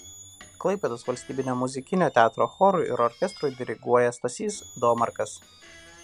Klaipėdos valstybinio muzikinio teatro chorui ir orkestrui diriguoja Stasys Domarkas.